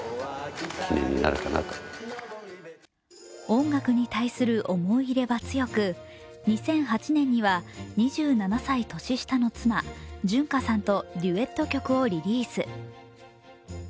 音楽に対する思い入れは強く、２００８年には２７歳年下の妻、純歌さんとデュエット曲をリリース。